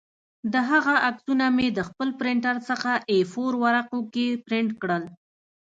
د هغه عکسونه مې د خپل پرنټر څخه اې فور ورقو کې پرنټ کړل